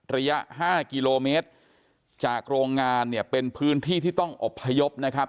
ระยะ๕กิโลเมตรจากโรงงานเนี่ยเป็นพื้นที่ที่ต้องอบพยพนะครับ